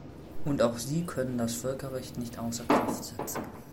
Und auch Sie können das Völkerrecht nicht außer Kraft setzen.